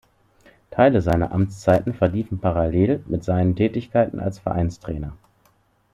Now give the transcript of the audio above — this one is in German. Teile seiner Amtszeiten verliefen parallel mit seinen Tätigkeiten als Vereinstrainer.